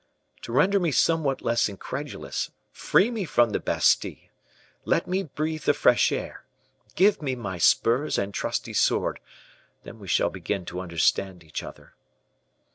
To render me somewhat less incredulous, free me from the Bastile; let me breathe the fresh air; give me my spurs and trusty sword, then we shall begin to understand each other."